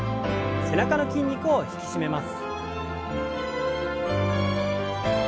背中の筋肉を引き締めます。